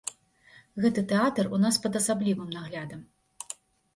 Гэты тэатр у нас пад асаблівым наглядам.